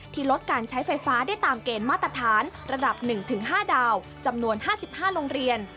ลดการใช้ไฟฟ้าได้ตามเกณฑ์มาตรฐานระดับ๑๕ดาวจำนวน๕๕โรงเรียน